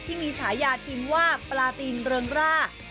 ที่มีฉายาทิมว่าปลาตีนเริงร่า